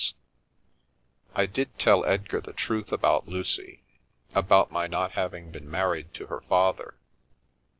— I did tell Edgar the truth about Lucy, about my not having been married to her father.